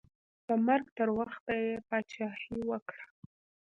د مرګ تر وخته یې پاچاهي وکړه.